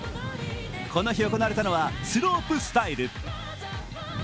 この日行われたのはスロープスタイル。